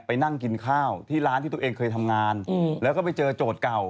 ไปนั่งกินข้าวที่ร้านที่ตัวเองเคยทำงานแล้วก็ไปเจอโจทย์เก่า